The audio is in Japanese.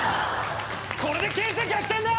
これで形勢逆転だ！